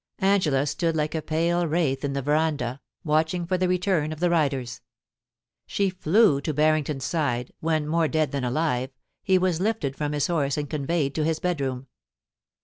Angela stood like a pale wraith in the verandah, watching for the return of the riders. She flew to Barrington's side, when, more dead than alive, he was lifted from his horse and conveyed to his bedroom.